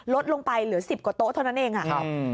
ลดลงไปเหลือ๑๐กว่าโต๊ะเท่านั้นเอง